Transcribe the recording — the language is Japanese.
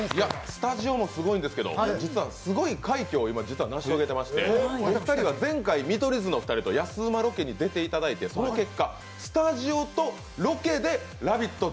スタジオもすごいんですけど、今、すごい快挙を実は成し遂げていまして、前回、見取り図のお二人と安ウマロケに出ていただいて、その結果、スタジオとロケで「ラヴィット！」